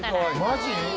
マジ？